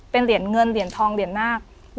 เป็นเหรียญเงินเหรียญทองเหรียญนาค